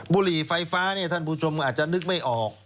บุหรี่ไฟฟ้าเนี่ยท่านผู้ชมอาจจะนึกไม่ออก